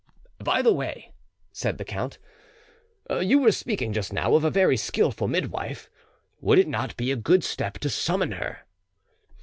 "By the way," said the count, "you were speaking just now of a very skilful midwife; would it not be a good step to summon her?"